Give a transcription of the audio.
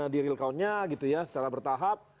di real countnya gitu ya secara bertahap